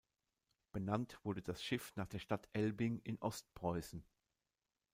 Benannt wurde das Schiff nach der Stadt Elbing in Ostpreußen.